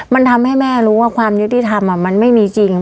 มันทำให้แม่รู้ว่าความยุติธรรมมันไม่มีจริง